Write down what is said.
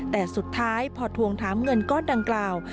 แต่สุดท้ายพอทวงถามเงินก้อนดังกล่าว